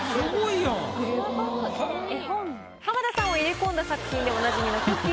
浜田さんを入れ込んだ作品でおなじみのくっきー！